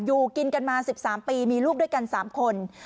อยู่กินกันมาสิบสามปีมีลูกด้วยกันสามคน